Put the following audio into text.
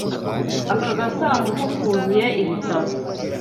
Aka gasanduku kuzuye ibitabo.